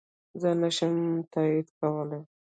زه يي نشم تاييد کولی